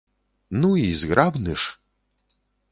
Ну, і зграбны ж!